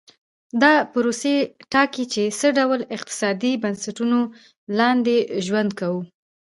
دا پروسې ټاکي چې د څه ډول اقتصادي بنسټونو لاندې ژوند کوي.